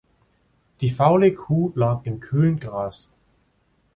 Die faule Kuh lag im kühlen Gras.